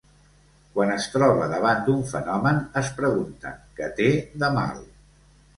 Quan es troba davant d'un fenomen es pregunta: Què té de mal?